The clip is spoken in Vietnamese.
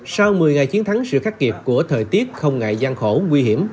sau một mươi ngày chiến thắng sự khắc nghiệt của thời tiết không ngại gian khổ nguy hiểm